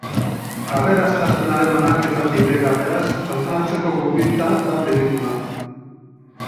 Aberastasunaren banaketa bidegabeaz hausnartzeko gonbita da pelikula.